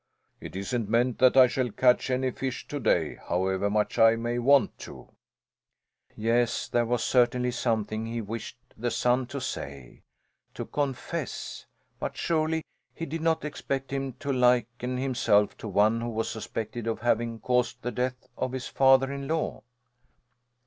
"It isn't meant that I shall catch any fish to day, however much I may want to." Yes, there was certainly something he wished the son to say to Confess but surely he did not expect him to liken himself to one who was suspected of having caused the death of his father in law?